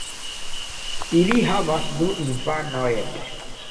Ili havas du infanojn.